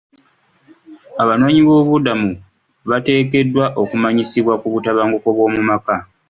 Abanoonyiboobubudamu bateekeddwa okumanyisibwa ku butabanguko bw'omu maka.